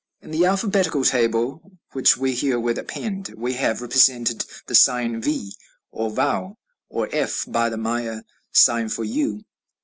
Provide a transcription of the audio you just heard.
In the alphabetical table which we herewith append we have represented the sign V, or vau, or f, by the Maya sign for U.